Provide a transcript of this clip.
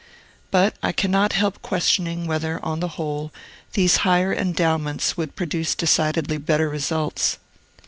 But I cannot help questioning, whether, on the whole, these higher endowments would produce decidedly better results.